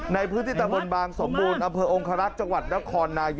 ในพื้นที่ตะบนบางสมบูรณ์อำเภอองคารักษ์จังหวัดนครนายก